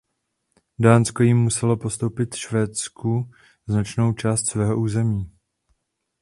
Dánsko jím muselo postoupit Švédsku značnou část svého území.